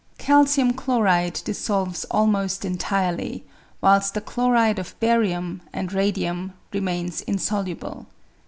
Calcium chloride dissolves almost entirely, whilst the chloride of barium and radium remains insoluble.